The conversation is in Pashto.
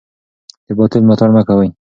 د باطل ملاتړ مه کوئ.